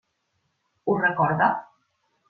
Ho recorda?